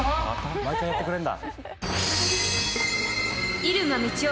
毎回やってくれんだ。